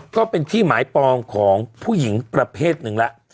ก็เป็นที่หมายปองของผู้หญิงประเภทหนึ่งแล้ว